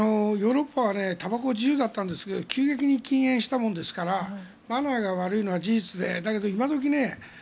ヨーロッパはたばこ自由だったんですが急激に禁煙したものですからマナーが悪いのは事実でだけど今時